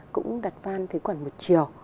cũng đặt van với quản một chiều